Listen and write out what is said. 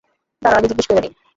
দাঁড়াও, আগে জিজ্ঞেস কইরা নেই।